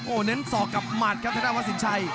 โอ้เน้นสอกกับมัดครับท่านท่านวัสินชัย